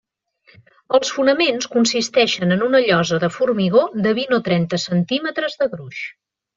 Els fonaments consisteixen en una llosa de formigó de vint o trenta centímetres de gruix.